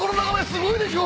すごいでしょ？